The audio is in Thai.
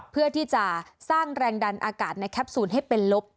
เพื่อที่จะสร้างแรงดันอากาศในแคปซูลให้เป็นลบ